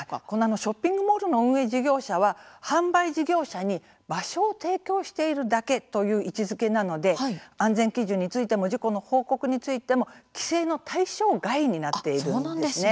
ショッピングモールの運営事業者は、販売事業者に場所を提供しているだけという位置づけなので安全基準についても事故の報告についても規制のそうなんですね。